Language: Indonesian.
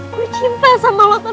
gue cinta sama lo kan pak harun